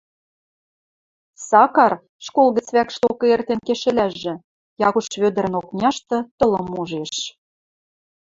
Сакар, школ гӹц вӓкш докы эртен кешӹлӓжӹ, Якуш Вӧдӹрӹн окняшты тылым ужеш.